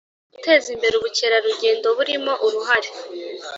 Guteza imbere ubukerarugendo burimo uruhare